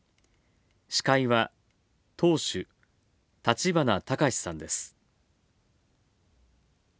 司会は、党首立花孝志さんです。